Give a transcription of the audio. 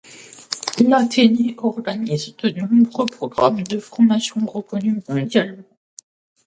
L'Athénée organise de nombreux programmes de formation reconnus mondialement.